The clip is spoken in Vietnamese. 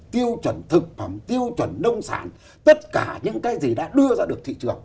tiêu chuẩn thực phẩm tiêu chuẩn nông sản tất cả những cái gì đã đưa ra được thị trường